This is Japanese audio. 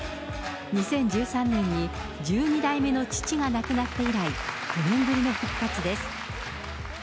２０１３年に十二代目の父が亡くなって以来、９年ぶりの復活です。